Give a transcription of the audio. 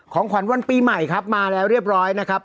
ของขวัญวันปีใหม่ครับมาแล้วเรียบร้อยนะครับ